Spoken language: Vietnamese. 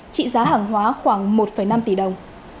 trị giá hàng hóa khoảng một năm tỷ đồng